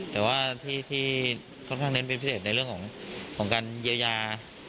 แต่ว่าที่ค่อนข้างเน้นเป็นพิเศษในเรื่องของการเยียวยา